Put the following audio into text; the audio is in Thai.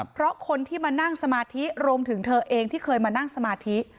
เพราะคนที่มานั่งสมาธิรวมถึงเธอเองที่เคยมานั่งสมาธิ